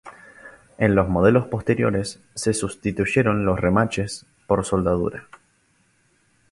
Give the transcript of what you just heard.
En los modelos posteriores se sustituyeron los remaches por soldadura.